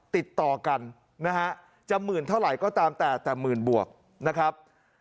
ติดต่อกันนะฮะจะหมื่นเท่าไหร่ก็ตามแต่แต่หมื่นบวกนะครับ